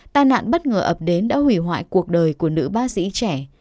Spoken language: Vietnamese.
l ập đến đã hủy hoại cuộc đời của nữ bác sĩ trẻ